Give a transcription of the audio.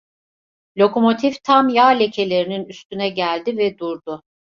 Lokomotif tam yağ lekelerinin üstüne geldi ve durdu.